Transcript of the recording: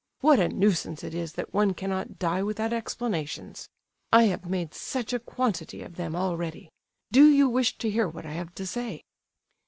What a nuisance it is that one cannot die without explanations! I have made such a quantity of them already. Do you wish to hear what I have to say?"